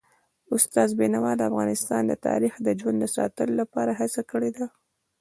استاد بینوا د افغان تاریخ د ژوندي ساتلو لپاره هڅه کړي ده.